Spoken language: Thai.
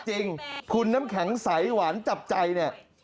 จริงคุณน้ำแข็งใสหวานจับใจเนี่ย